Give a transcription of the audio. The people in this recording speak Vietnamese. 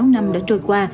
bốn mươi sáu năm đã trôi qua